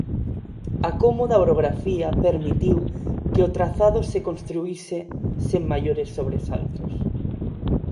A cómoda orografía permitiu que o trazado se construíse sen maiores sobresaltos.